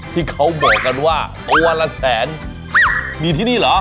ที่เขาบอกกันว่าตัวละแสนมีที่นี่เหรอ